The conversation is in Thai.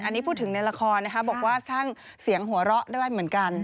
อันนี้พูดถึงในละครนะคะบอกว่าสร้างเสียงหัวเราะได้เหมือนกัน